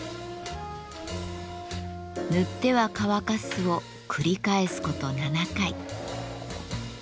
塗っては乾かすを繰り返すこと７回。